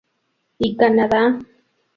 Y Canadá.